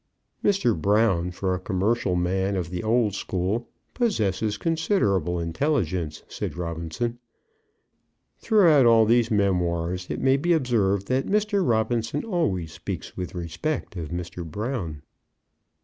"Mr. Brown, for a commercial man of the old school, possesses considerable intelligence," said Robinson. Throughout all these memoirs, it may be observed that Mr. Robinson always speaks with respect of Mr. Brown.